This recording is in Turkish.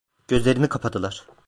Gözlerini kapadılar…